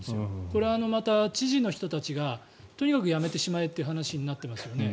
これはまた、知事の人たちがとにかくやめてしまえって話になってますよね。